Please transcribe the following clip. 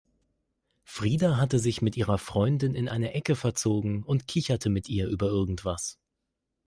Frida hatte sich mit ihrer Freundin in eine Ecke verzogen und kicherte mit ihr über irgendwas.